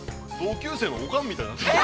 ◆同級生のオカンみたいになってる。